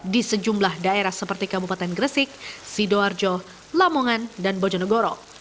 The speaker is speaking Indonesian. di sejumlah daerah seperti kabupaten gresik sidoarjo lamongan dan bojonegoro